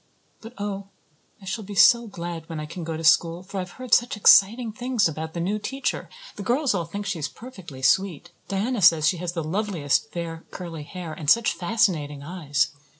But oh, I shall be so glad when I can go to school for I've heard such exciting things about the new teacher. The girls all think she is perfectly sweet. Diana says she has the loveliest fair curly hair and such fascinating eyes.